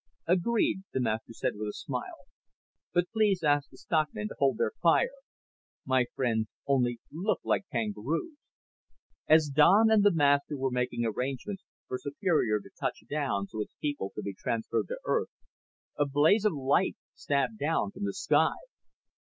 "Agreed," the Master said with a smile. "But please ask their stockmen to hold their fire. My friends only look like kangaroos." As Don and the Master were making arrangements for Superior to touch down so its people could be transferred to Earth, a blaze of light stabbed down from the sky.